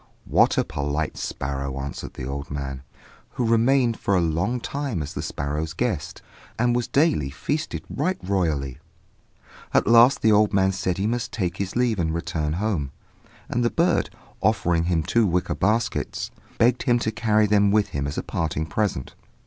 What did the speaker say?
"What a polite sparrow!" answered the old man, who remained for a long time as the sparrow's guest, and was daily feasted right royally. At last the old man said that he must take his leave and return home; and the bird, offering him two wicker baskets, begged him to carry them with him as a parting present.